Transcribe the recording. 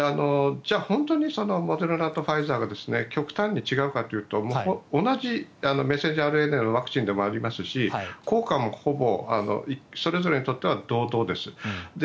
じゃあ本当にモデルナとファイザーが極端に違うかというと同じメッセンジャーＲＮＡのワクチンでもありますし効果もほぼそれぞれにとっては同等です。